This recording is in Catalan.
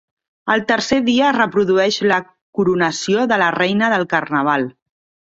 El tercer dia es produeix la coronació de la Reina del Carnaval.